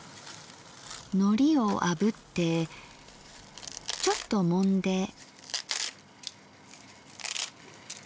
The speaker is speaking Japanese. のりをあぶってちょっともんで。